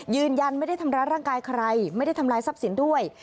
ยืนยันไม่ได้ทำร้ายร่างกายใครไม่ได้ทำลายทรัพย์สินด้วย